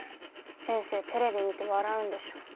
先生テレビ見て笑うんでしょ。